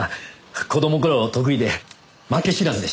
子供の頃得意で負け知らずでした。